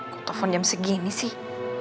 kok telfon jam segini sih